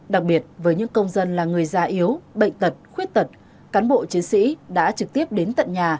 đặc biệt với những công dân là người già yếu bệnh tật khuyết tật cán bộ chiến sĩ đã trực tiếp đến tận nhà